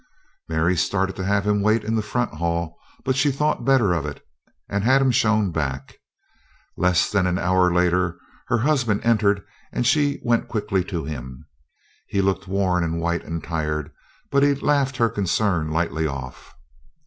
Mary started to have him wait in the front hall, but she thought better of it and had him shown back. Less than an hour later her husband entered and she went quickly to him. He looked worn and white and tired, but he laughed her concern lightly off.